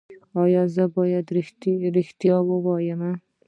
ایا زه باید ریښتیا ووایم؟